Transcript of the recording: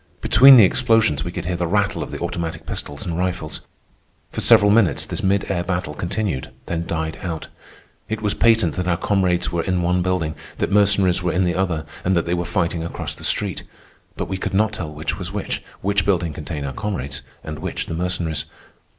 Between the explosions we could hear the rattle of the automatic pistols and rifles. For several minutes this mid air battle continued, then died out. It was patent that our comrades were in one building, that Mercenaries were in the other, and that they were fighting across the street. But we could not tell which was which—which building contained our comrades and which the Mercenaries.